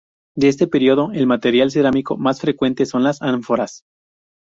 De este período el material cerámico más frecuente son las ánforas.